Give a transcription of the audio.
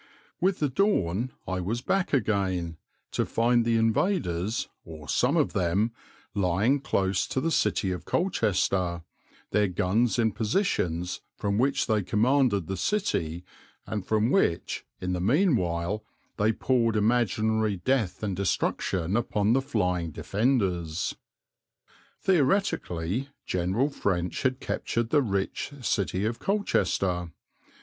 With the dawn I was back again, to find the invaders, or some of them, lying close to the city of Colchester, their guns in positions from which they commanded the city and from which, in the meanwhile, they poured imaginary death and destruction upon the flying defenders. Theoretically, General French had captured the rich city of Colchester.